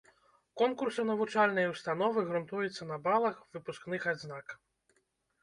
Конкурс у навучальныя ўстановы грунтуецца на балах выпускных адзнак.